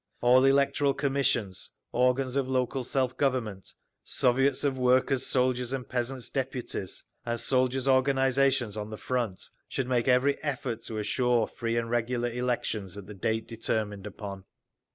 All electoral commissions, organs of local self government, Soviets of Workers', Soldiers' and Peasants' Deputies, and soldiers' organisations on the front should make every effort to assure free and regular elections at the date determined upon.